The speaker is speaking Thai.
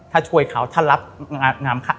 ถ้าช่วยเขาถ้ารับงานเข้า